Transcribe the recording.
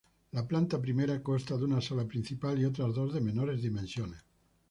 La planta primera consta de una sala principal y otras dos de menores dimensiones.